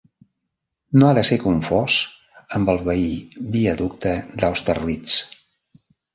No ha de ser confós amb el veí viaducte d'Austerlitz.